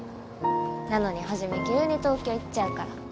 なのに肇急に東京行っちゃうから。